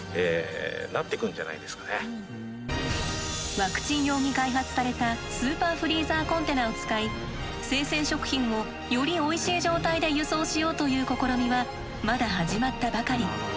ワクチン用に開発されたスーパーフリーザーコンテナを使い生鮮食品をよりおいしい状態で輸送しようという試みはまだ始まったばかり。